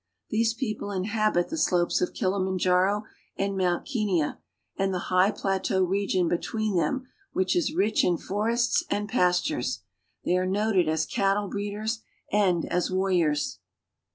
These people inhabit the r«lopes of Kilimanjaro and Mount Kenia, and the high |ilateau region between them which is rich in forests and iiastures. They are noted as cattle breeders and as warriors.